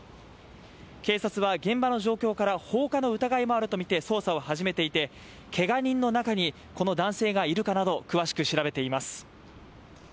警察は現場の状況から放火の疑いもあるとみて捜査を始めていてけが人の中にこの男性がいるかなど詳しく調べています。